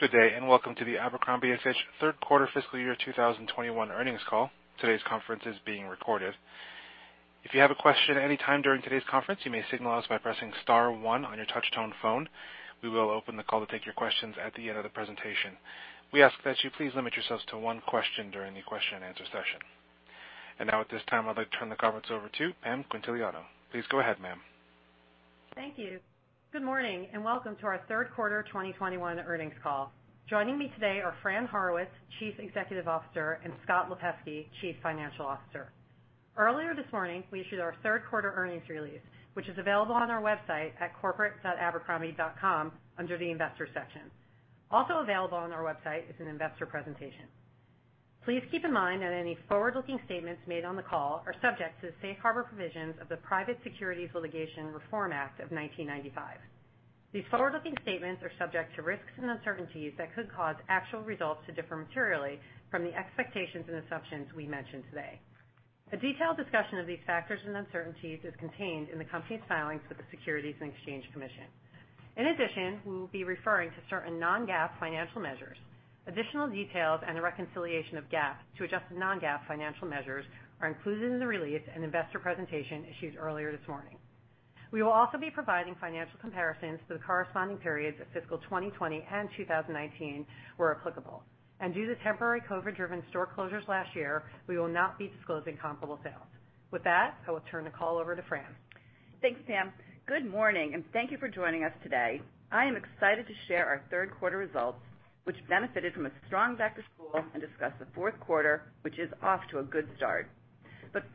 Good day, and welcome to the Abercrombie & Fitch third quarter fiscal year 2021 earnings call. Today's conference is being recorded. If you have a question any time during today's conference, you may signal us by pressing star one on your touch-tone phone. We will open the call to take your questions at the end of the presentation. We ask that you please limit yourselves to one question during the question and answer session. Now at this time, I'd like to turn the conference over to Pam Quintiliano. Please go ahead, ma'am. Thank you. Good morning, and welcome to our third quarter 2021 earnings call. Joining me today are Fran Horowitz, Chief Executive Officer, and Scott Lipesky, Chief Financial Officer. Earlier this morning, we issued our third quarter earnings release, which is available on our website at corporate.abercrombie.com under the Investor section. Also available on our website is an investor presentation. Please keep in mind that any forward-looking statements made on the call are subject to the safe harbor provisions of the Private Securities Litigation Reform Act of 1995. These forward-looking statements are subject to risks and uncertainties that could cause actual results to differ materially from the expectations and assumptions we mention today. A detailed discussion of these factors and uncertainties is contained in the company's filings with the Securities and Exchange Commission. In addition, we will be referring to certain non-GAAP financial measures. Additional details and the reconciliation of GAAP to adjusted non-GAAP financial measures are included in the release and investor presentation issued earlier this morning. We will also be providing financial comparisons to the corresponding periods of fiscal 2020 and 2019 where applicable. Due to temporary COVID-driven store closures last year, we will not be disclosing comparable sales. With that, I will turn the call over to Fran. Thanks, Pam. Good morning, and thank you for joining us today. I am excited to share our third quarter results, which benefited from a strong back to school and discuss the fourth quarter, which is off to a good start.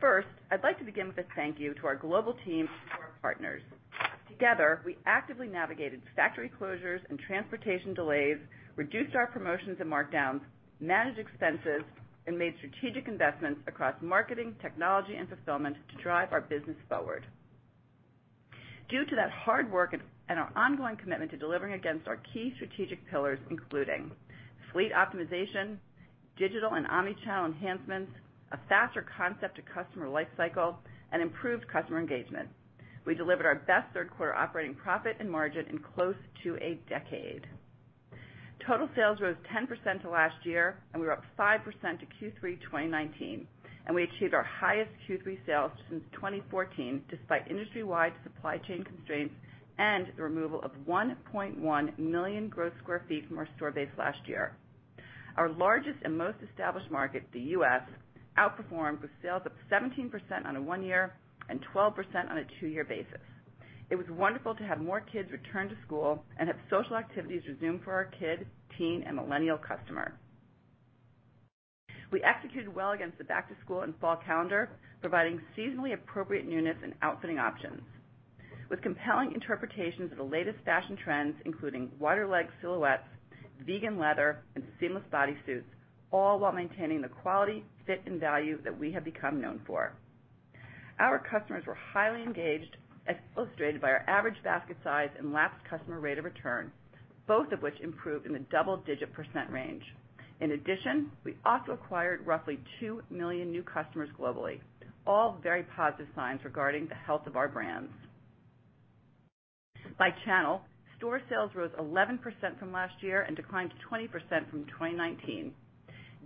First, I'd like to begin with a thank you to our global team and to our partners. Together, we actively navigated factory closures and transportation delays, reduced our promotions and markdowns, managed expenses, and made strategic investments across marketing, technology, and fulfillment to drive our business forward. Due to that hard work and our ongoing commitment to delivering against our key strategic pillars, including fleet optimization, digital and omnichannel enhancements, a faster concept-to-customer life cycle, and improved customer engagement, we delivered our best third quarter operating profit and margin in close to a decade. Total sales rose 10% to last year, and we were up 5% to Q3 2019, and we achieved our highest Q3 sales since 2014, despite industry-wide supply chain constraints and the removal of 1.1 million gross sq ft from our store base last year. Our largest and most established market, the U.S., outperformed with sales up 17% on a one-year and 12% on a two-year basis. It was wonderful to have more kids return to school and have social activities resume for our kid, teen, and millennial customer. We executed well against the back to school and fall calendar, providing seasonally appropriate newness and outfitting options. With compelling interpretations of the latest fashion trends, including wider leg silhouettes, vegan leather, and seamless bodysuits, all while maintaining the quality, fit, and value that we have become known for. Our customers were highly engaged, as illustrated by our average basket size and lapsed customer rate of return, both of which improved in the double-digit % range. In addition, we also acquired roughly 2 million new customers globally, all very positive signs regarding the health of our brands. By channel, store sales rose 11% from last year and declined 20% from 2019.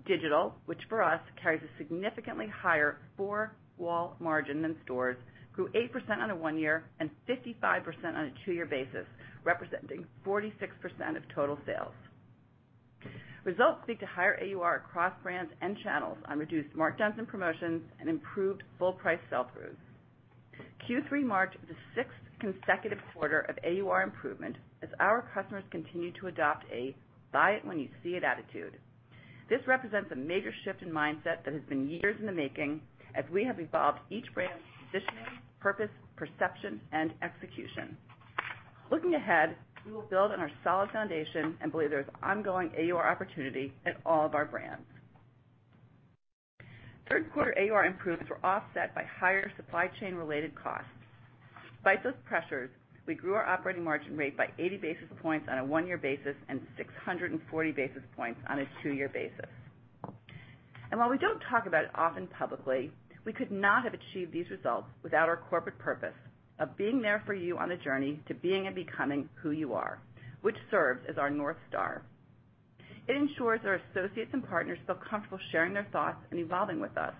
Digital, which for us carries a significantly higher four-wall margin than stores, grew 8% on a one-year and 55% on a two-year basis, representing 46% of total sales. Results speak to higher AUR across brands and channels on reduced markdowns and promotions and improved full price sell-throughs. Q3 marked the 6th consecutive quarter of AUR improvement as our customers continue to adopt a buy it when you see it attitude. This represents a major shift in mindset that has been years in the making as we have evolved each brand's positioning, purpose, perception, and execution. Looking ahead, we will build on our solid foundation and believe there is ongoing AUR opportunity in all of our brands. Third quarter AUR improvements were offset by higher supply chain related costs. Despite those pressures, we grew our operating margin rate by 80 basis points on a one-year basis and 640 basis points on a two-year basis. While we don't talk about it often publicly, we could not have achieved these results without our corporate purpose of being there for you on the journey to being and becoming who you are, which serves as our North Star. It ensures our associates and partners feel comfortable sharing their thoughts and evolving with us,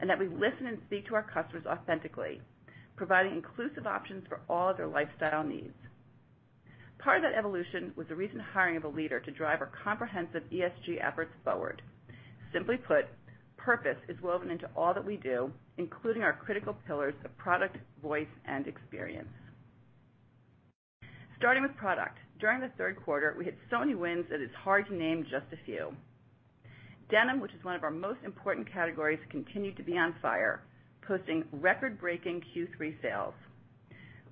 and that we listen and speak to our customers authentically, providing inclusive options for all of their lifestyle needs. Part of that evolution was the recent hiring of a leader to drive our comprehensive ESG efforts forward. Simply put, purpose is woven into all that we do, including our critical pillars of product, voice, and experience. Starting with product, during the third quarter, we had so many wins that it's hard to name just a few. Denim, which is one of our most important categories, continued to be on fire, posting record-breaking Q3 sales.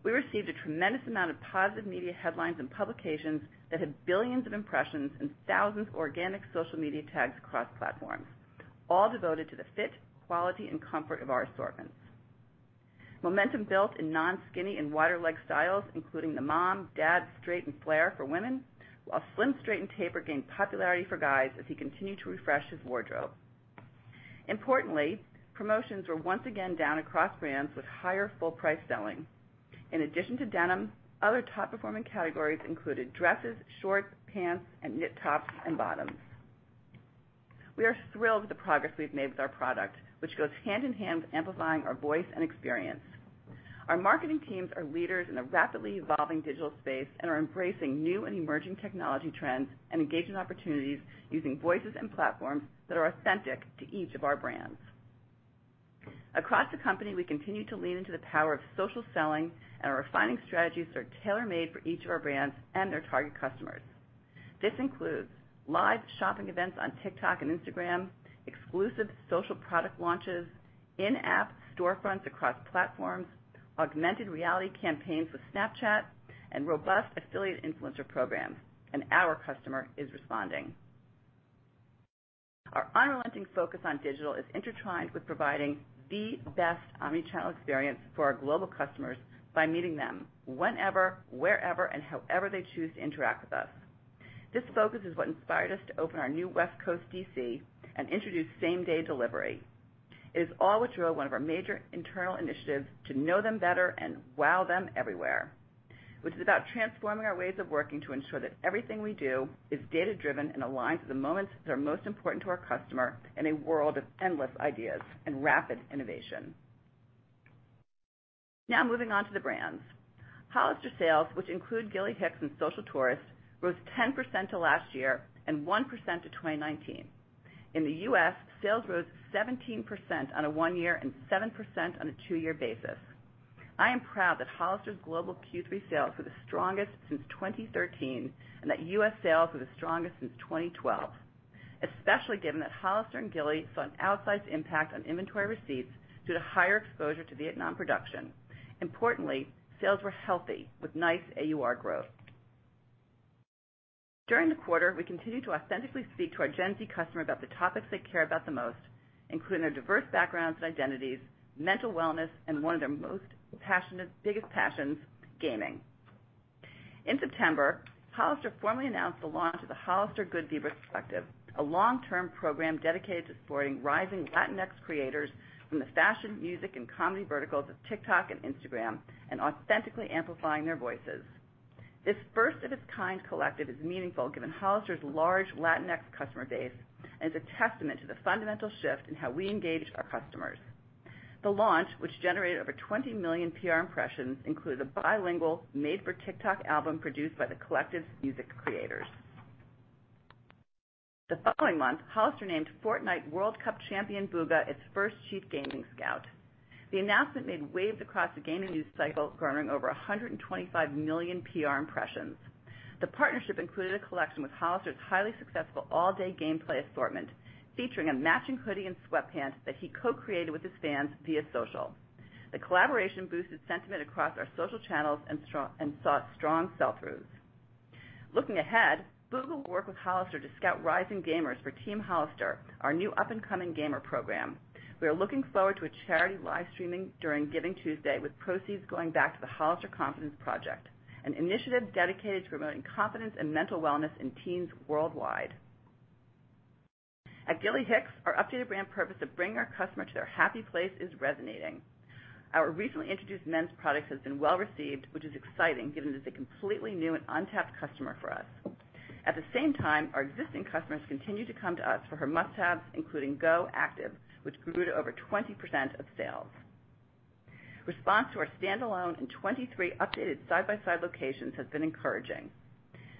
We received a tremendous amount of positive media headlines and publications that had billions of impressions and thousands of organic social media tags across platforms, all devoted to the fit, quality, and comfort of our assortments. Momentum built in non-skinny and wider leg styles, including the mom, dad, straight, and flare for women, while slim, straight, and taper gained popularity for guys as he continued to refresh his wardrobe. Importantly, promotions were once again down across brands with higher full price selling. In addition to denim, other top performing categories included dresses, shorts, pants, and knit tops and bottoms. We are thrilled with the progress we've made with our product, which goes hand in hand with amplifying our voice and experience. Our marketing teams are leaders in a rapidly evolving digital space, and are embracing new and emerging technology trends and engagement opportunities using voices and platforms that are authentic to each of our brands. Across the company, we continue to lean into the power of social selling and are refining strategies that are tailor-made for each of our brands and their target customers. This includes live shopping events on TikTok and Instagram, exclusive social product launches, in-app storefronts across platforms, augmented reality campaigns with Snapchat, and robust affiliate influencer programs, and our customer is responding. Our unrelenting focus on digital is intertwined with providing the best omni-channel experience for our global customers by meeting them whenever, wherever, and however they choose to interact with us. This focus is what inspired us to open our new West Coast DC and introduce same-day delivery. It is all what drove one of our major internal initiatives to know them better and wow them everywhere, which is about transforming our ways of working to ensure that everything we do is data-driven and aligns with the moments that are most important to our customer in a world of endless ideas and rapid innovation. Now, moving on to the brands. Hollister sales, which include Gilly Hicks and Social Tourist, rose 10% to last year and 1% to 2019. In the U.S., sales rose 17% on a one-year and 7% on a two-year basis. I am proud that Hollister's global Q3 sales were the strongest since 2013, and that U.S. sales were the strongest since 2012, especially given that Hollister and Gilly saw an outsized impact on inventory receipts due to higher exposure to Vietnam production. Importantly, sales were healthy with nice AUR growth. During the quarter, we continued to authentically speak to our Gen Z customer about the topics they care about the most, including their diverse backgrounds and identities, mental wellness, and one of their most passionate, biggest passions, gaming. In September, Hollister formally announced the launch of the Hollister Good Vibras Collective, a long-term program dedicated to supporting rising Latinx creators from the fashion, music, and comedy verticals of TikTok and Instagram and authentically amplifying their voices. This first of its kind collective is meaningful given Hollister's large Latinx customer base and is a testament to the fundamental shift in how we engage our customers. The launch, which generated over 20 million PR impressions, included a bilingual made-for-TikTok album produced by the collective's music creators. The following month, Hollister named Fortnite World Cup champion Bugha its first Chief Gaming Scout. The announcement made waves across the gaming news cycle, garnering over 125 million PR impressions. The partnership included a collection with Hollister's highly successful all-day gameplay assortment, featuring a matching hoodie and sweatpants that he co-created with his fans via social. The collaboration boosted sentiment across our social channels and saw strong sell-throughs. Looking ahead, Bugha will work with Hollister to scout rising gamers for Team Hollister, our new up-and-coming gamer program. We are looking forward to a charity live streaming during Giving Tuesday, with proceeds going back to the Hollister Confidence Project, an initiative dedicated to promoting confidence and mental wellness in teens worldwide. At Gilly Hicks, our updated brand purpose of bringing our customer to their happy place is resonating. Our recently introduced men's products has been well-received, which is exciting, given that it's a completely new and untapped customer for us. At the same time, our existing customers continue to come to us for her must-haves, including Go Active, which grew to over 20% of sales. Response to our standalone and 23 updated side-by-side locations has been encouraging.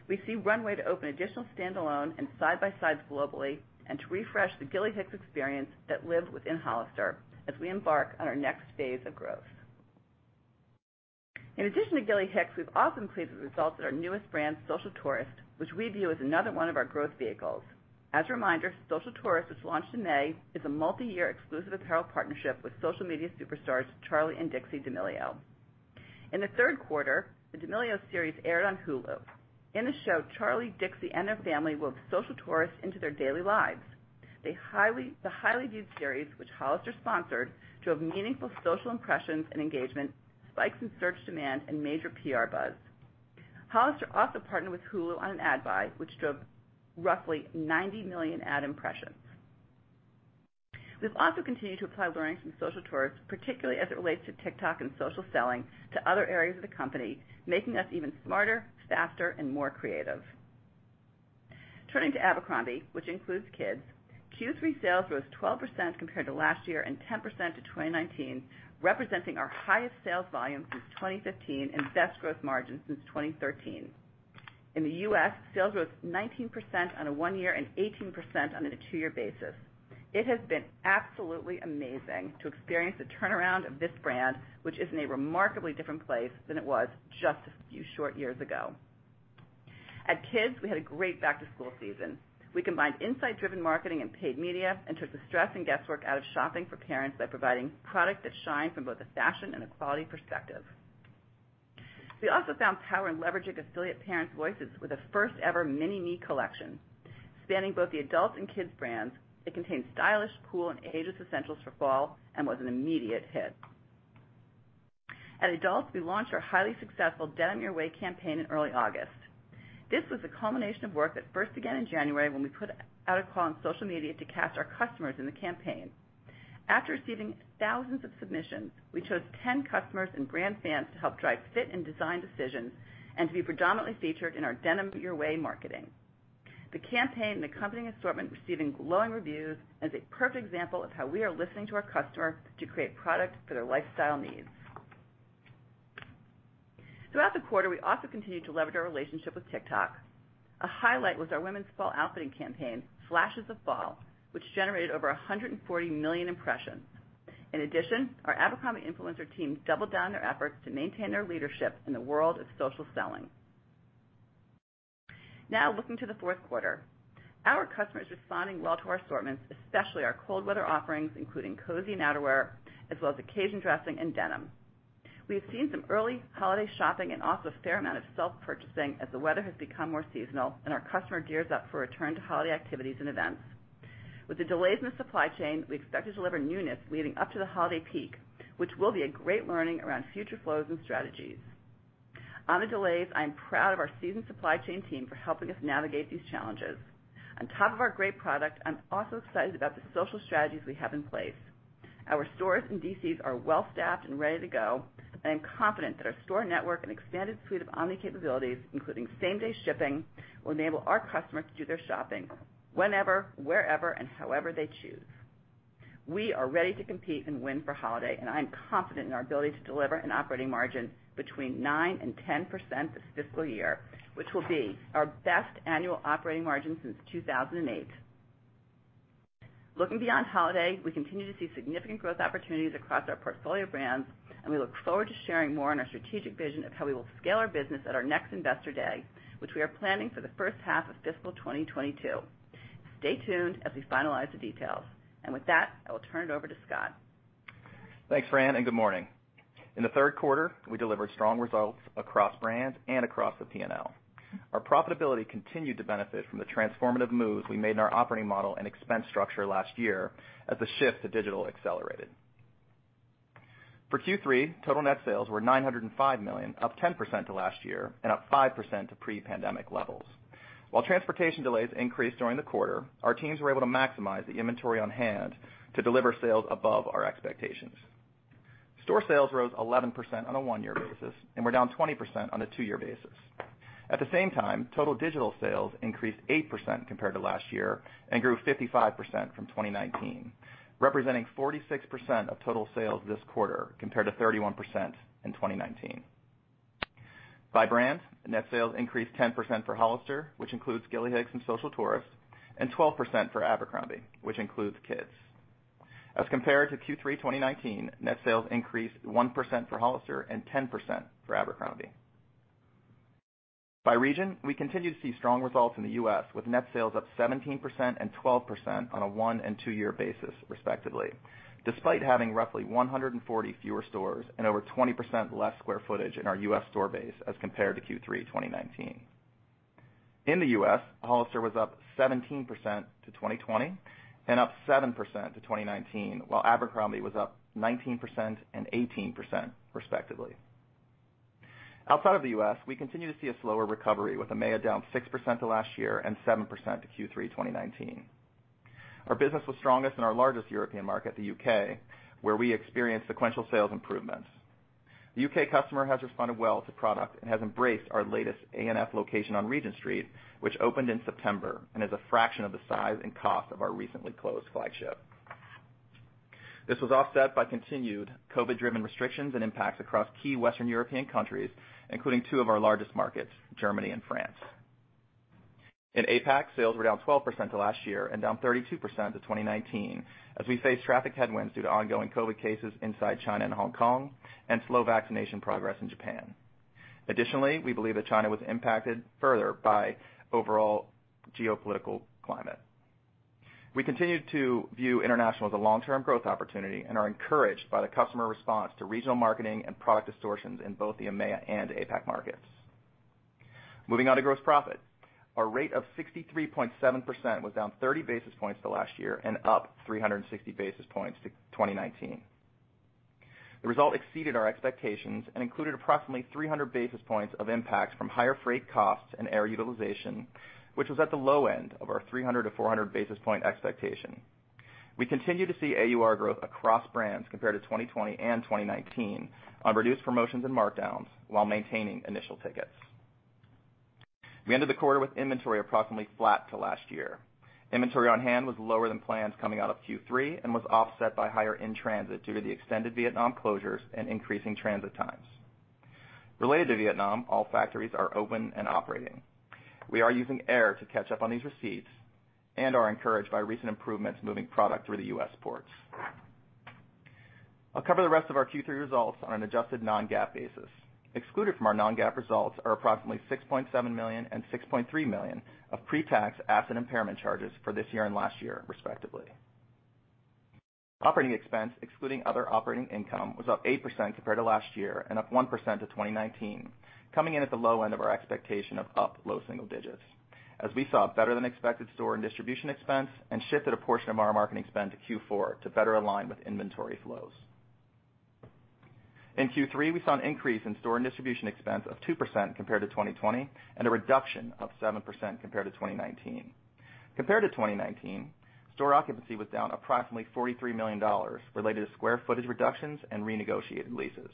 We see runway to open additional standalone and side-by-sides globally, and to refresh the Gilly Hicks experience that live within Hollister as we embark on our next phase of growth. In addition to Gilly Hicks, we've also included the results of our newest brand, Social Tourist, which we view as another one of our growth vehicles. As a reminder, Social Tourist, which launched in May, is a multi-year exclusive apparel partnership with social media superstars Charli and Dixie D'Amelio. In the third quarter, the D'Amelio series aired on Hulu. In the show, Charli, Dixie, and their family wove Social Tourist into their daily lives. The highly viewed series, which Hollister sponsored, drove meaningful social impressions and engagement, spikes in search demand, and major PR buzz. Hollister also partnered with Hulu on an ad buy, which drove roughly 90 million ad impressions. We've also continued to apply learnings from Social Tourist, particularly as it relates to TikTok and social selling, to other areas of the company, making us even smarter, faster, and more creative. Turning to Abercrombie, which includes Kids, Q3 sales rose 12% compared to last year and 10% to 2019, representing our highest sales volume since 2015 and best growth margin since 2013. In the U.S., sales rose 19% on a one-year and 18% on a two-year basis. It has been absolutely amazing to experience the turnaround of this brand, which is in a remarkably different place than it was just a few short years ago. At Kids, we had a great back-to-school season. We combined insight-driven marketing and paid media and took the stress and guesswork out of shopping for parents by providing product that shined from both a fashion and a quality perspective. We also found power in leveraging affiliate parents' voices with a first-ever mini me collection. Spanning both the adults' and kids' brands, it contained stylish, cool, and ageless essentials for fall and was an immediate hit. At adults, we launched our highly successful Denim Your Way campaign in early August. This was a culmination of work that first began in January when we put out a call on social media to cast our customers in the campaign. After receiving thousands of submissions, we chose 10 customers and brand fans to help drive fit and design decisions and to be predominantly featured in our Denim Your Way marketing. The campaign and accompanying assortment receiving glowing reviews is a perfect example of how we are listening to our customer to create product for their lifestyle needs. Throughout the quarter, we also continued to leverage our relationship with TikTok. A highlight was our women's fall outfitting campaign, Flashes of Fall, which generated over 140 million impressions. In addition, our Abercrombie influencer team doubled down their efforts to maintain their leadership in the world of social selling. Now looking to the fourth quarter. Our customer is responding well to our assortments, especially our cold weather offerings, including cozy outerwear as well as occasion dressing and denim. We have seen some early holiday shopping and also a fair amount of self-purchasing as the weather has become more seasonal and our customer gears up for a return to holiday activities and events. With the delays in the supply chain, we expect to deliver newness leading up to the holiday peak, which will be a great learning around future flows and strategies. On the delays, I am proud of our seasoned supply chain team for helping us navigate these challenges. On top of our great product, I'm also excited about the social strategies we have in place. Our stores and DCs are well-staffed and ready to go, and I'm confident that our store network and expanded suite of omni capabilities, including same-day shipping, will enable our customers to do their shopping whenever, wherever, and however they choose. We are ready to compete and win for holiday, and I am confident in our ability to deliver an operating margin between 9% and 10% this fiscal year, which will be our best annual operating margin since 2008. Looking beyond holiday, we continue to see significant growth opportunities across our portfolio of brands, and we look forward to sharing more on our strategic vision of how we will scale our business at our next Investor Day, which we are planning for the first half of fiscal 2022. Stay tuned as we finalize the details. With that, I will turn it over to Scott. Thanks, Fran, and good morning. In the third quarter, we delivered strong results across brands and across the P&L. Our profitability continued to benefit from the transformative moves we made in our operating model and expense structure last year as the shift to digital accelerated. For Q3, total net sales were $905 million, up 10% to last year and up 5% to pre-pandemic levels. While transportation delays increased during the quarter, our teams were able to maximize the inventory on hand to deliver sales above our expectations. Store sales rose 11% on a one-year basis and were down 20% on a two-year basis. At the same time, total digital sales increased 8% compared to last year and grew 55% from 2019, representing 46% of total sales this quarter compared to 31% in 2019. By brand, net sales increased 10% for Hollister, which includes Gilly Hicks and Social Tourist, and 12% for Abercrombie, which includes Kids. As compared to Q3 2019, net sales increased 1% for Hollister and 10% for Abercrombie. By region, we continue to see strong results in the U.S., with net sales up 17% and 12% on a one- and two-year basis, respectively, despite having roughly 140 fewer stores and over 20% less square footage in our U.S. store base as compared to Q3 2019. In the U.S., Hollister was up 17% to 2020 and up 7% to 2019, while Abercrombie was up 19% and 18%, respectively. Outside of the U.S., we continue to see a slower recovery, with EMEA down 6% to last year and 7% to Q3 2019. Our business was strongest in our largest European market, the U.K., where we experienced sequential sales improvements. The U.K. customer has responded well to product and has embraced our latest ANF location on Regent Street, which opened in September and is a fraction of the size and cost of our recently closed flagship. This was offset by continued COVID-driven restrictions and impacts across key Western European countries, including two of our largest markets, Germany and France. In APAC, sales were down 12% to last year and down 32% to 2019 as we face traffic headwinds due to ongoing COVID cases inside China and Hong Kong and slow vaccination progress in Japan. Additionally, we believe that China was impacted further by overall geopolitical climate. We continue to view international as a long-term growth opportunity and are encouraged by the customer response to regional marketing and product assortments in both the EMEA and APAC markets. Moving on to gross profit. Our rate of 63.7% was down 30 basis points to last year and up 360 basis points to 2019. The result exceeded our expectations and included approximately 300 basis points of impact from higher freight costs and air utilization, which was at the low end of our 300-400 basis point expectation. We continue to see AUR growth across brands compared to 2020 and 2019 on reduced promotions and markdowns while maintaining initial tickets. We ended the quarter with inventory approximately flat to last year. Inventory on hand was lower than plans coming out of Q3 and was offset by higher in-transit due to the extended Vietnam closures and increasing transit times. Related to Vietnam, all factories are open and operating. We are using air to catch up on these receipts and are encouraged by recent improvements moving product through the U.S. ports. I'll cover the rest of our Q3 results on an adjusted non-GAAP basis. Excluded from our non-GAAP results are approximately $6.7 million and $6.3 million of pre-tax asset impairment charges for this year and last year, respectively. Operating expense, excluding other operating income, was up 8% compared to last year and up 1% to 2019, coming in at the low end of our expectation of up low single digits. As we saw better than expected store and distribution expense and shifted a portion of our marketing spend to Q4 to better align with inventory flows. In Q3, we saw an increase in store and distribution expense of 2% compared to 2020, and a reduction of 7% compared to 2019. Compared to 2019, store occupancy was down approximately $43 million related to square footage reductions and renegotiated leases.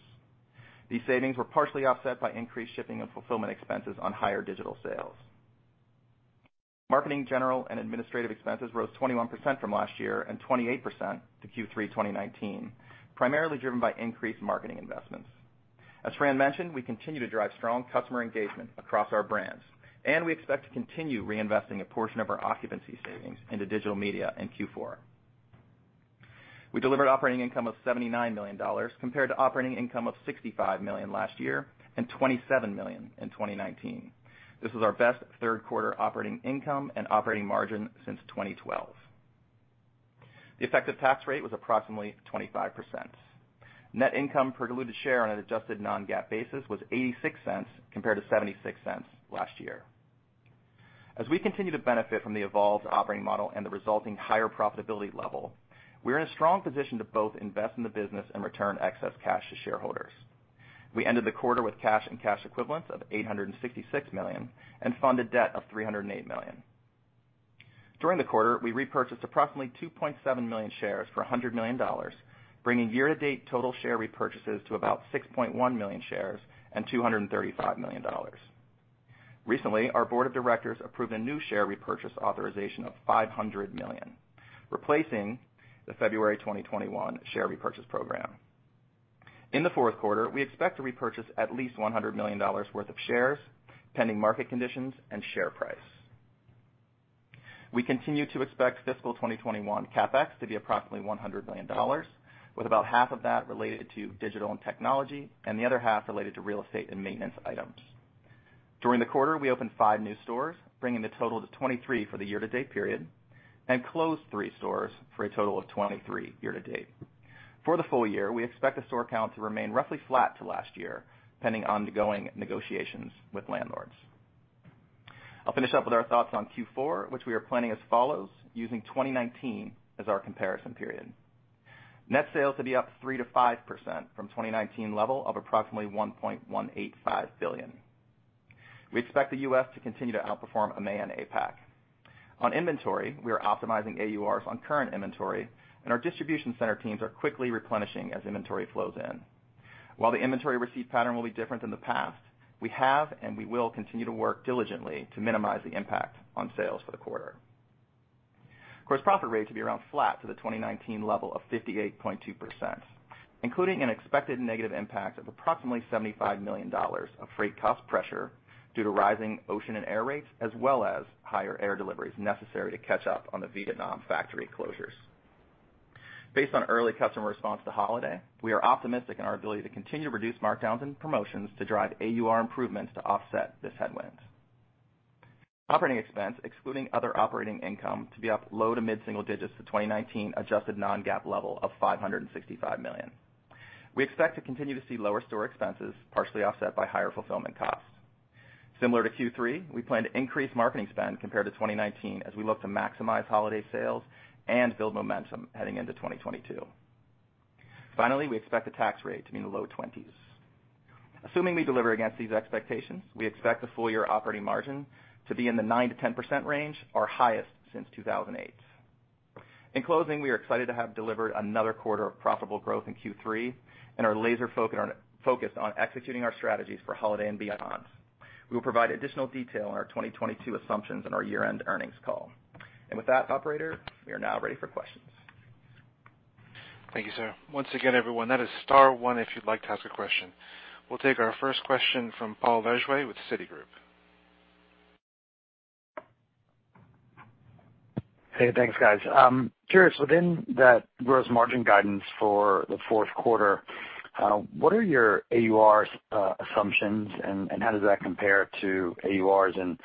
These savings were partially offset by increased shipping and fulfillment expenses on higher digital sales. Marketing, general, and administrative expenses rose 21% from last year and 28% to Q3 2019, primarily driven by increased marketing investments. As Fran mentioned, we continue to drive strong customer engagement across our brands, and we expect to continue reinvesting a portion of our occupancy savings into digital media in Q4. We delivered operating income of $79 million compared to operating income of $65 million last year and $27 million in 2019. This was our best third quarter operating income and operating margin since 2012. The effective tax rate was approximately 25%. Net income per diluted share on an adjusted non-GAAP basis was $0.86 compared to $0.76 last year. As we continue to benefit from the evolved operating model and the resulting higher profitability level, we're in a strong position to both invest in the business and return excess cash to shareholders. We ended the quarter with cash and cash equivalents of $866 million and funded debt of $308 million. During the quarter, we repurchased approximately 2.7 million shares for $100 million, bringing year-to-date total share repurchases to about 6.1 million shares and $235 million. Recently, our board of directors approved a new share repurchase authorization of $500 million, replacing the February 2021 share repurchase program. In the fourth quarter, we expect to repurchase at least $100 million worth of shares, pending market conditions and share price. We continue to expect fiscal 2021 CapEx to be approximately $100 million, with about half of that related to digital and technology, and the other half related to real estate and maintenance items. During the quarter, we opened five new stores, bringing the total to 23 for the year-to-date period and closed three stores for a total of 23 year to date. For the full year, we expect the store count to remain roughly flat to last year, pending ongoing negotiations with landlords. I'll finish up with our thoughts on Q4, which we are planning as follows, using 2019 as our comparison period. Net sales to be up 3%-5% from 2019 level of approximately $1.185 billion. We expect the U.S. to continue to outperform EMEA and APAC. On inventory, we are optimizing AURs on current inventory, and our distribution center teams are quickly replenishing as inventory flows in. While the inventory receipt pattern will be different than the past, we have and we will continue to work diligently to minimize the impact on sales for the quarter. Gross profit rate to be around flat to the 2019 level of 58.2%, including an expected negative impact of approximately $75 million of freight cost pressure due to rising ocean and air rates, as well as higher air deliveries necessary to catch up on the Vietnam factory closures. Based on early customer response to holiday, we are optimistic in our ability to continue to reduce markdowns and promotions to drive AUR improvements to offset this headwind. Operating expense, excluding other operating income, to be up low- to mid-single digits to 2019 adjusted non-GAAP level of $565 million. We expect to continue to see lower store expenses, partially offset by higher fulfillment costs. Similar to Q3, we plan to increase marketing spend compared to 2019 as we look to maximize holiday sales and build momentum heading into 2022. Finally, we expect the tax rate to be in the low 20s%. Assuming we deliver against these expectations, we expect the full year operating margin to be in the 9%-10% range, our highest since 2008. In closing, we are excited to have delivered another quarter of profitable growth in Q3 and are laser-focused on executing our strategies for holiday and beyond. We will provide additional detail on our 2022 assumptions in our year-end earnings call. With that, operator, we are now ready for questions. Thank you, sir. Once again, everyone, that is star one if you'd like to ask a question. We'll take our first question from Paul Lejuez with Citigroup. Hey, thanks, guys. I'm curious, within that gross margin guidance for the fourth quarter, what are your AURs assumptions, and how does that compare to AURs in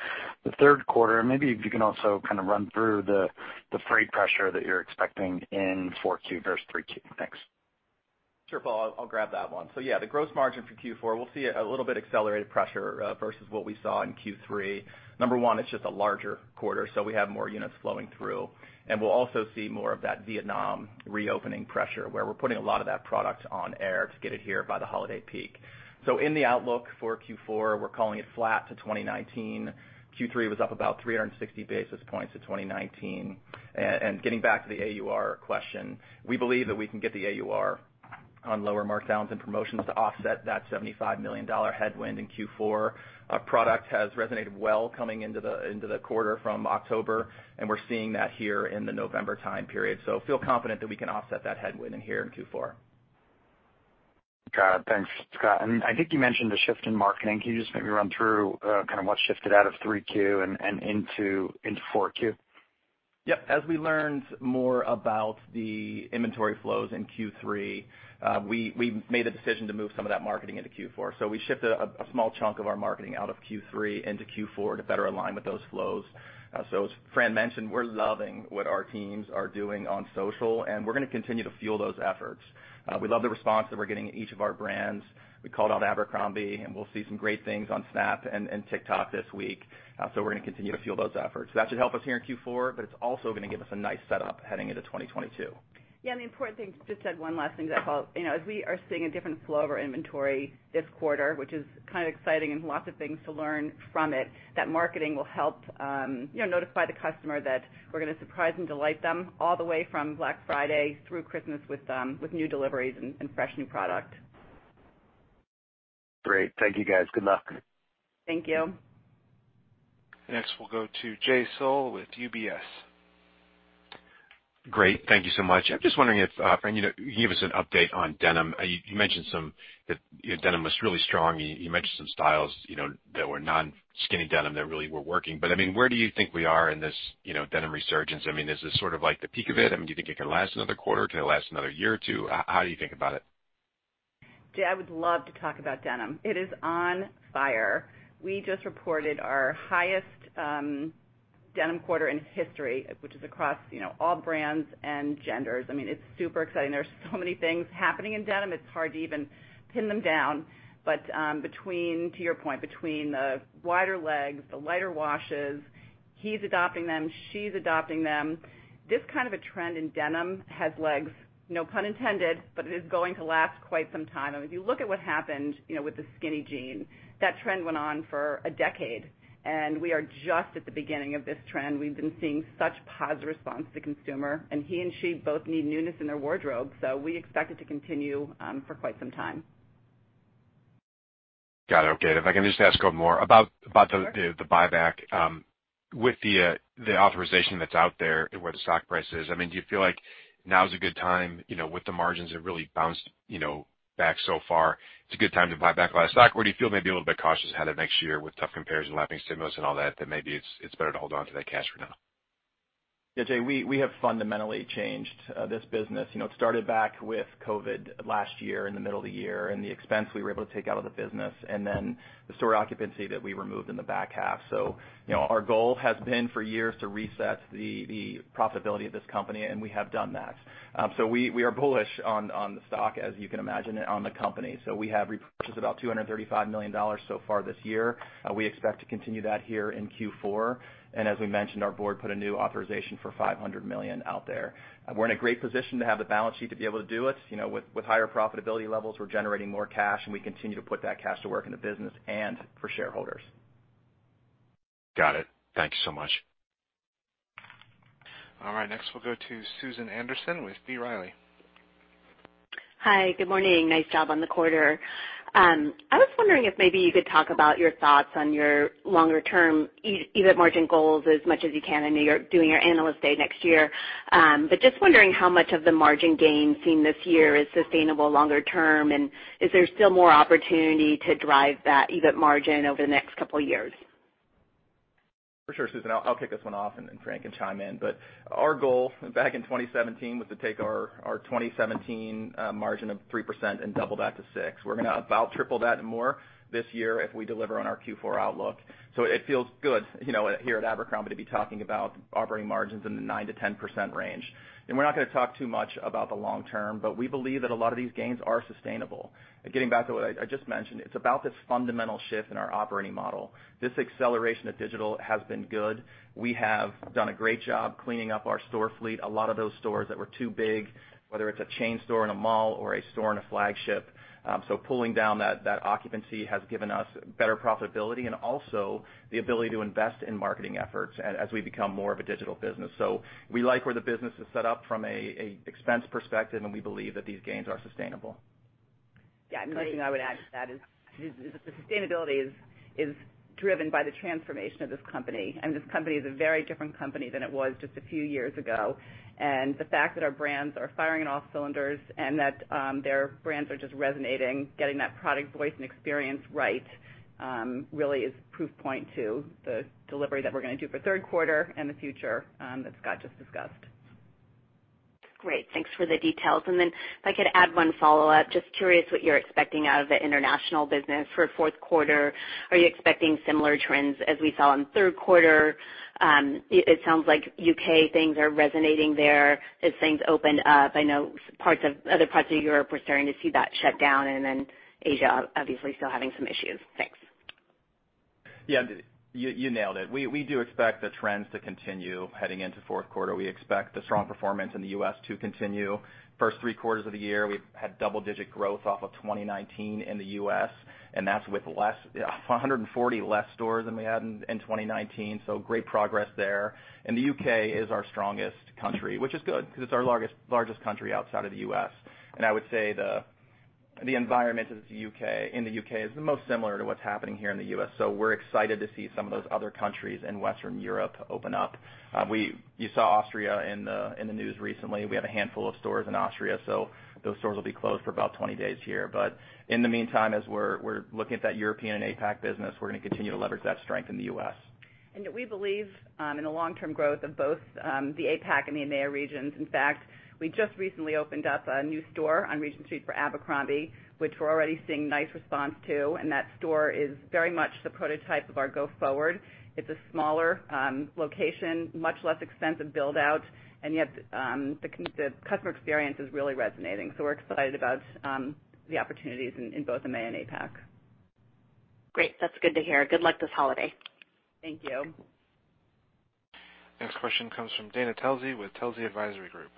the third quarter? Maybe if you can also kind of run through the freight pressure that you're expecting in 4Q versus 3Q. Thanks. Sure, Paul, I'll grab that one. Yeah, the gross margin for Q4, we'll see a little bit accelerated pressure versus what we saw in Q3. Number one, it's just a larger quarter, so we have more units flowing through, and we'll also see more of that Vietnam reopening pressure where we're putting a lot of that product on air to get it here by the holiday peak. In the outlook for Q4, we're calling it flat to 2019. Q3 was up about 360 basis points to 2019. And getting back to the AUR question, we believe that we can get the AUR on lower markdowns and promotions to offset that $75 million headwind in Q4. Our product has resonated well coming into the quarter from October, and we're seeing that here in the November time period. We feel confident that we can offset that headwind in here in Q4. Got it. Thanks, Scott. I think you mentioned the shift in marketing. Can you just maybe run through kind of what shifted out of Q3 and into Q4? Yep. As we learned more about the inventory flows in Q3, we made the decision to move some of that marketing into Q4. We shifted a small chunk of our marketing out of Q3 into Q4 to better align with those flows. As Fran mentioned, we're loving what our teams are doing on social, and we're gonna continue to fuel those efforts. We love the response that we're getting in each of our brands. We called out Abercrombie, and we'll see some great things on Snap and TikTok this week. We're gonna continue to fuel those efforts. That should help us here in Q4, but it's also gonna give us a nice setup heading into 2022. Yeah. The important thing, just to add one last thing to that, Paul, you know, as we are seeing a different flow of our inventory this quarter, which is kind of exciting and lots of things to learn from it, that marketing will help, you know, notify the customer that we're gonna surprise and delight them all the way from Black Friday through Christmas with new deliveries and fresh new product. Great. Thank you, guys. Good luck. Thank you. Next, we'll go to Jay Sole with UBS. Great. Thank you so much. I'm just wondering if, Fran, you know, can you give us an update on denim? You mentioned some that, you know, denim was really strong. You mentioned some styles, you know, that were non-skinny denim that really were working. But, I mean, where do you think we are in this, you know, denim resurgence? I mean, is this sort of like the peak of it? I mean, do you think it can last another quarter? Can it last another year or two? How do you think about it? Jay, I would love to talk about denim. It is on fire. We just reported our highest denim quarter in history, which is across, you know, all brands and genders. I mean, it's super exciting. There are so many things happening in denim, it's hard to even pin them down. To your point, between the wider legs, the lighter washes, he's adopting them, she's adopting them. This kind of a trend in denim has legs, no pun intended, but it is going to last quite some time. I mean, if you look at what happened, you know, with the skinny jean, that trend went on for a decade, and we are just at the beginning of this trend. We've been seeing such positive response to consumer, and he and she both need newness in their wardrobe. We expect it to continue for quite some time. Got it. Okay. If I can just ask one more. About the buyback, with the authorization that's out there and where the stock price is, I mean, do you feel like now is a good time, you know, with the margins have really bounced, you know, back so far, it's a good time to buy back a lot of stock? Or do you feel maybe a little bit cautious ahead of next year with tough comparison, lapping stimulus and all that maybe it's better to hold on to that cash for now? Yeah, Jay, we have fundamentally changed this business. You know, it started back with COVID last year in the middle of the year, and the expense we were able to take out of the business, and then the store occupancy that we removed in the back half. You know, our goal has been for years to reset the profitability of this company, and we have done that. We are bullish on the stock, as you can imagine, and on the company. We have repurchased about $235 million so far this year. We expect to continue that here in Q4. As we mentioned, our board put a new authorization for $500 million out there. We're in a great position to have the balance sheet to be able to do it. You know, with higher profitability levels, we're generating more cash, and we continue to put that cash to work in the business and for shareholders. Got it. Thank you so much. All right, next we'll go to Susan Anderson with B. Riley. Hi. Good morning. Nice job on the quarter. I was wondering if maybe you could talk about your thoughts on your longer term EBIT margin goals as much as you can. I know you're doing your Analyst Day next year. Just wondering how much of the margin gain seen this year is sustainable longer term, and is there still more opportunity to drive that EBIT margin over the next couple years? For sure, Susan. I'll kick this one off, and then Fran can chime in. Our goal back in 2017 was to take our 2017 margin of 3% and double that to 6%. We're gonna about triple that and more this year if we deliver on our Q4 outlook. It feels good, you know, here at Abercrombie to be talking about operating margins in the 9%-10% range. We're not gonna talk too much about the long term, but we believe that a lot of these gains are sustainable. Getting back to what I just mentioned, it's about this fundamental shift in our operating model. This acceleration of digital has been good. We have done a great job cleaning up our store fleet, a lot of those stores that were too big, whether it's a chain store in a mall or a store in a flagship. Pulling down that occupancy has given us better profitability and also the ability to invest in marketing efforts as we become more of a digital business. We like where the business is set up from an expense perspective, and we believe that these gains are sustainable. Yeah. The only thing I would add to that is that the sustainability is driven by the transformation of this company. This company is a very different company than it was just a few years ago. The fact that our brands are firing on all cylinders and that their brands are just resonating, getting that product voice and experience right really is proof point to the delivery that we're gonna do for third quarter and the future that Scott just discussed. Great. Thanks for the details. If I could add one follow-up, just curious what you're expecting out of the international business for fourth quarter. Are you expecting similar trends as we saw in third quarter? It sounds like U.K. things are resonating there as things opened up. I know other parts of Europe, we're starting to see that shut down, and then Asia obviously still having some issues. Thanks. You nailed it. We do expect the trends to continue heading into fourth quarter. We expect the strong performance in the U.S. to continue. First three quarters of the year, we've had double-digit growth off of 2019 in the U.S., and that's with 140 less stores than we had in 2019, so great progress there. The U.K. is our strongest country, which is good because it's our largest country outside of the U.S. I would say the environment in the U.K. is the most similar to what's happening here in the U.S., so we're excited to see some of those other countries in Western Europe open up. You saw Austria in the news recently. We have a handful of stores in Austria, so those stores will be closed for about 20 days here. In the meantime, as we're looking at that European and APAC business, we're gonna continue to leverage that strength in the U.S. We believe in the long-term growth of both the APAC and the EMEA regions. In fact, we just recently opened up a new store on Regent Street for Abercrombie, which we're already seeing nice response to, and that store is very much the prototype of our go forward. It's a smaller location, much less expensive build-out, and yet the customer experience is really resonating. We're excited about the opportunities in both EMEA and APAC. Great, that's good to hear. Good luck this holiday. Thank you. Next question comes from Dana Telsey with Telsey Advisory Group.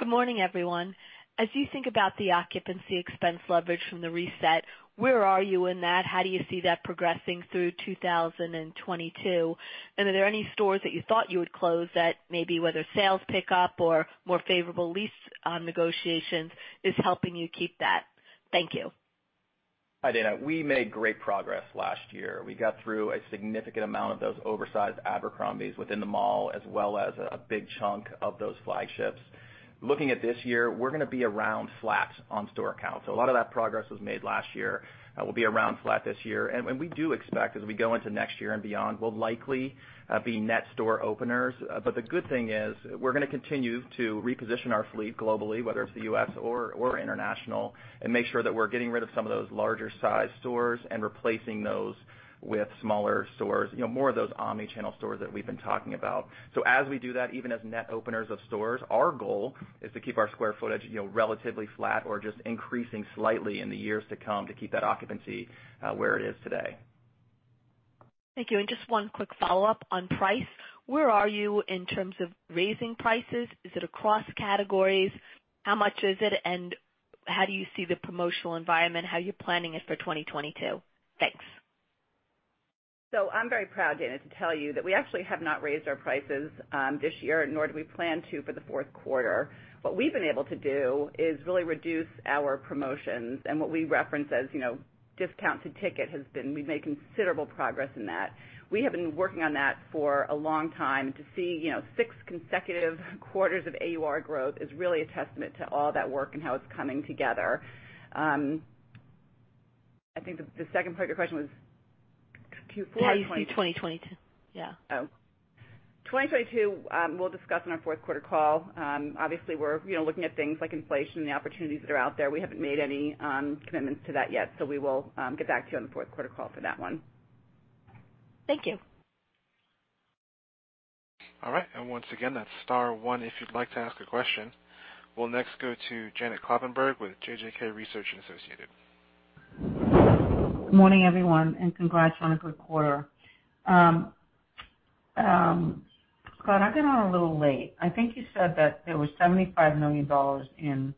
Good morning, everyone. As you think about the occupancy expense leverage from the reset, where are you in that? How do you see that progressing through 2022? Are there any stores that you thought you would close that maybe whether sales pick up or more favorable lease negotiations is helping you keep that? Thank you. Hi, Dana. We made great progress last year. We got through a significant amount of those oversized Abercrombie's within the mall, as well as a big chunk of those flagships. Looking at this year, we're gonna be around flat on store count. A lot of that progress was made last year. We'll be around flat this year. We do expect as we go into next year and beyond, we'll likely be net store openers. The good thing is we're gonna continue to reposition our fleet globally, whether it's the U.S. or international, and make sure that we're getting rid of some of those larger sized stores and replacing those with smaller stores. You know, more of those omni-channel stores that we've been talking about. As we do that, even as net openers of stores, our goal is to keep our square footage, you know, relatively flat or just increasing slightly in the years to come to keep that occupancy where it is today. Thank you. Just one quick follow-up on price. Where are you in terms of raising prices? Is it across categories? How much is it, and how do you see the promotional environment, how you're planning it for 2022? Thanks. I'm very proud, Dana, to tell you that we actually have not raised our prices this year, nor do we plan to for the fourth quarter. What we've been able to do is really reduce our promotions and what we reference as, you know, discount to ticket. We've made considerable progress in that. We have been working on that for a long time. To see, you know, six consecutive quarters of AUR growth is really a testament to all that work and how it's coming together. I think the second part of your question was Q4 or twenty- How do you see 2022. Yeah. 2022, we'll discuss on our fourth quarter call. Obviously we're, you know, looking at things like inflation and the opportunities that are out there. We haven't made any commitments to that yet, so we will get back to you on the fourth quarter call for that one. Thank you. All right. Once again, that's star one if you'd like to ask a question. We'll next go to Janet Kloppenburg with JJK Research & Associates. Good morning, everyone, and congrats on a good quarter. Fran, I got on a little late. I think you said that there was $75 million in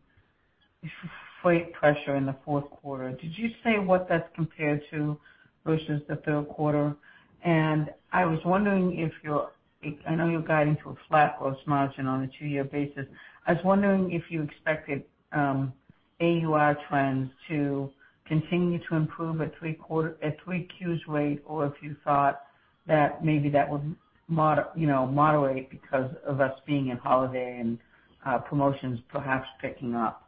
freight pressure in the fourth quarter. Did you say what that's compared to versus the third quarter? I know you're guiding to a flat gross margin on a two-year basis. I was wondering if you expected AUR trends to continue to improve at 3Q's rate, or if you thought that maybe that would moderate because of us being in holiday and promotions perhaps picking up.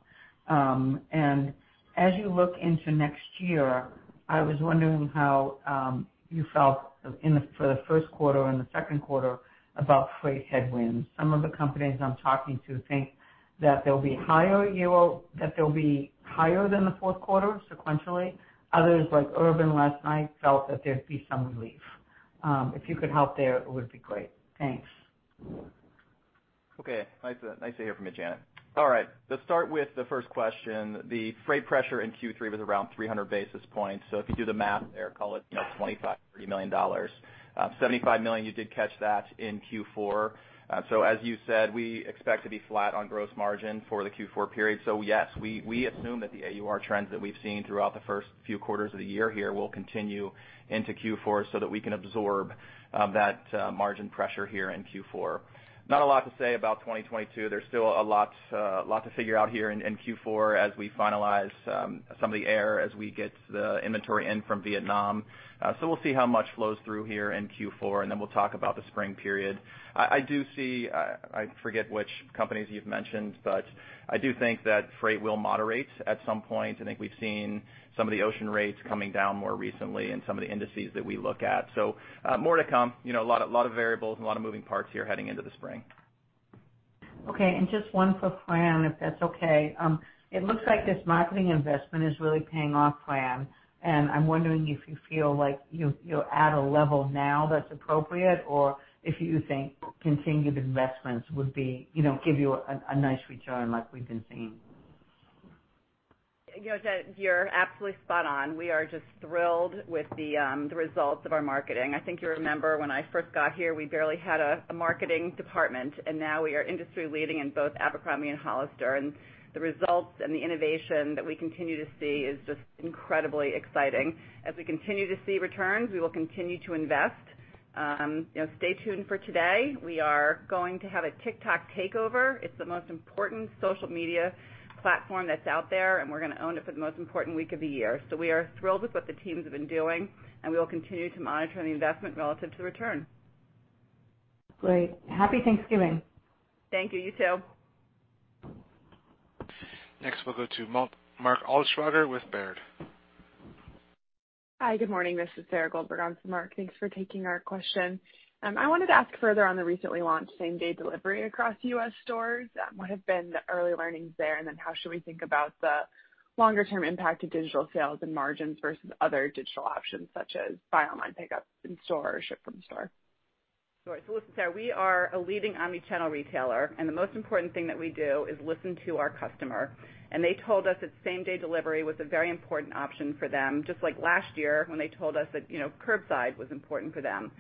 As you look into next year, I was wondering how you felt for the first quarter and the second quarter about freight headwinds. Some of the companies I'm talking to think that they'll be higher than the fourth quarter sequentially. Others, like Urban last night, felt that there'd be some relief. If you could help there, it would be great. Thanks. Okay. Nice to hear from you, Janet. All right. Let's start with the first question. The freight pressure in Q3 was around 300 basis points, so if you do the math there, call it $25-$30 million. $75 million, you did catch that in Q4. As you said, we expect to be flat on gross margin for the Q4 period. Yes, we assume that the AUR trends that we've seen throughout the first few quarters of the year here will continue into Q4 so that we can absorb that margin pressure here in Q4. Not a lot to say about 2022. There's still a lot to figure out here in Q4 as we finalize some of the air as we get the inventory in from Vietnam. We'll see how much flows through here in Q4, and then we'll talk about the spring period. I do see. I forget which companies you've mentioned, but I do think that freight will moderate at some point. I think we've seen some of the ocean rates coming down more recently in some of the indices that we look at. More to come. You know, a lot of variables and a lot of moving parts here heading into the spring. Okay, just one for Fran, if that's okay. It looks like this marketing investment is really paying off, Fran, and I'm wondering if you feel like you're at a level now that's appropriate, or if you think continued investments would be, you know, give you a nice return like we've been seeing. You know, Janet, you're absolutely spot on. We are just thrilled with the results of our marketing. I think you remember when I first got here, we barely had a marketing department, and now we are industry leading in both Abercrombie and Hollister. The results and the innovation that we continue to see is just incredibly exciting. As we continue to see returns, we will continue to invest. You know, stay tuned for today. We are going to have a TikTok takeover. It's the most important social media platform that's out there, and we're gonna own it for the most important week of the year. We are thrilled with what the teams have been doing, and we will continue to monitor the investment relative to the return. Great. Happy Thanksgiving. Thank you. You too. Next, we'll go to Mark Altschwager with Baird. Hi, good morning. This is Sarah Goldberg on for Mark. Thanks for taking our question. I wanted to ask further on the recently launched same-day delivery across U.S. stores. What have been the early learnings there, and then how should we think about the longer term impact to digital sales and margins versus other digital options such as buy online pickup in store or ship from store? Sorry. Listen, Sarah, we are a leading omni-channel retailer, and the most important thing that we do is listen to our customer, and they told us that same-day delivery was a very important option for them, just like last year when they told us that, you know, curbside was important for them.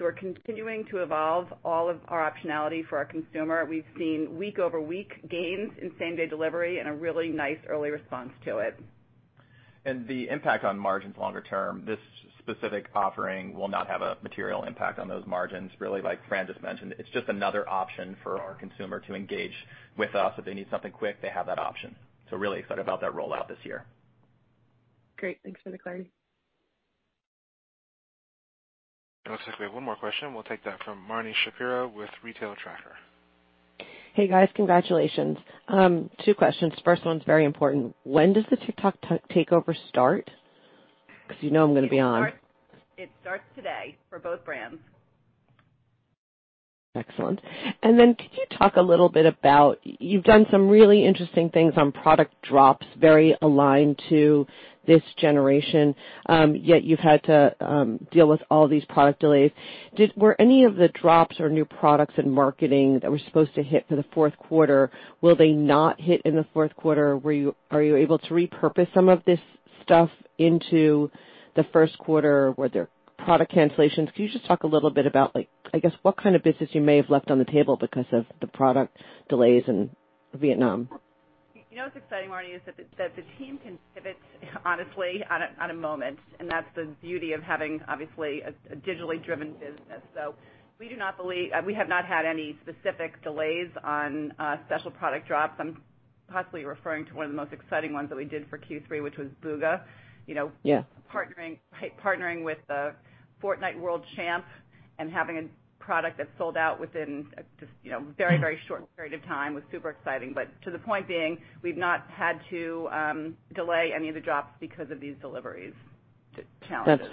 We're continuing to evolve all of our optionality for our consumer. We've seen week-over-week gains in same-day delivery and a really nice early response to it. The impact on margins longer term, this specific offering will not have a material impact on those margins. Really, like Fran just mentioned, it's just another option for our consumer to engage with us. If they need something quick, they have that option. Really excited about that rollout this year. Great. Thanks for the clarity. It looks like we have one more question. We'll take that from Marni Shapiro with The Retail Tracker. Hey, guys. Congratulations. Two questions. First one's very important. When does the TikTok takeover start? 'Cause you know I'm gonna be on. It starts today for both brands. Excellent. Could you talk a little bit about. You've done some really interesting things on product drops, very aligned to this generation, yet you've had to deal with all these product delays. Were any of the drops or new products in marketing that were supposed to hit for the fourth quarter, will they not hit in the fourth quarter? Are you able to repurpose some of this stuff into the first quarter? Were there product cancellations? Can you just talk a little bit about like, I guess, what kind of business you may have left on the table because of the product delays in Vietnam? You know what's exciting, Marni, is that the team can pivot, honestly, on a moment, and that's the beauty of having, obviously, a digitally driven business. We have not had any specific delays on special product drops. I'm possibly referring to one of the most exciting ones that we did for Q3, which was Bugha. You know Yeah. Partnering with the Fortnite world champ and having a product that sold out within just, you know, very, very short period of time was super exciting. To the point being, we've not had to delay any of the drops because of these delivery challenges.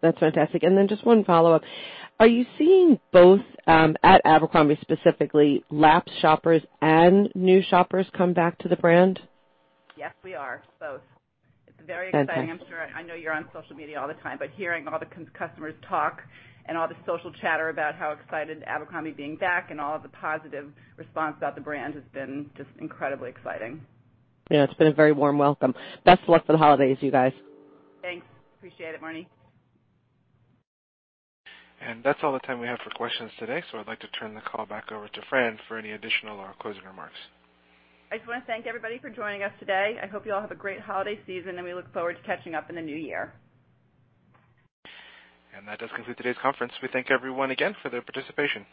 That's fantastic. Just one follow-up. Are you seeing both, at Abercrombie, specifically, lapsed shoppers and new shoppers come back to the brand? Yes, we are. Both. Okay. It's very exciting. I'm sure, I know you're on social media all the time, but hearing all the customers talk and all the social chatter about how excited Abercrombie being back and all the positive response about the brand has been just incredibly exciting. Yeah, it's been a very warm welcome. Best of luck for the holidays, you guys. Thanks. Appreciate it, Marni. That's all the time we have for questions today, so I'd like to turn the call back over to Fran for any additional or closing remarks. I just wanna thank everybody for joining us today. I hope you all have a great holiday season, and we look forward to catching up in the new year. That does conclude today's conference. We thank everyone again for their participation.